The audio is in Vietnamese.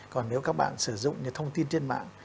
còn nếu các bạn sử dụng những thông tin trên mạng